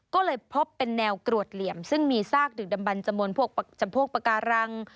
ก็เลยพบเป็นแนวกรวดเหลี่ยมซึ่งมีซากดึกดำบันจำนวนพวกจำพวกปาการัง